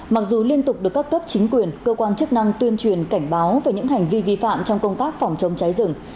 mặc dù liên tục được các cấp chính quyền cơ quan chức năng tuyên truyền cảnh báo về những hành vi vi phạm trong công tác phòng chống cháy rừng